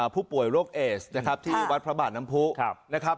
ผู้ป่วยโรคเอสนะครับที่วัดพระบาทน้ำผู้นะครับ